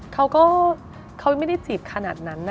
เขาก็เขาไม่ได้จีบขนาดนั้นนะ